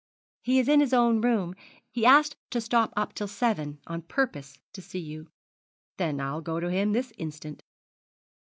'He is in his own room. He asked to stop up till seven on purpose to see you.' 'Then I'll go to him this instant.'